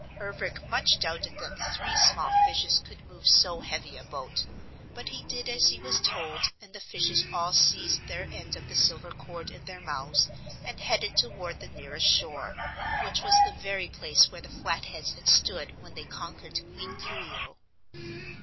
Ervic much doubted that the three small fishes could move so heavy a boat, but he did as he was told and the fishes all seized their end of the silver cord in their mouths and headed toward the nearest shore, which was the very place where the Flatheads had stood when they conquered Queen Coo ee oh.